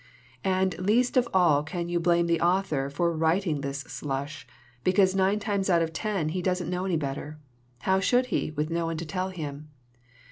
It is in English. "And least of all can you blame the author for writing this slush, because nine times out of ten he doesn't know any better. How should he, with no one to tell him